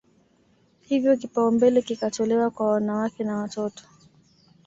Hivyo kipaumbele kikatolewa kwa wanawake na watoto